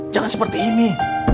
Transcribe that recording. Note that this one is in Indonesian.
jangan seperti ini